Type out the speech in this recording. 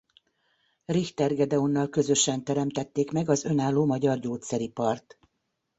Richter Gedeonnal közösen teremtették meg az önálló magyar gyógyszeripart.